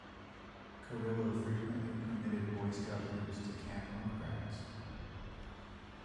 Carrillo frequently permitted Boy Scout groups to camp on the grounds.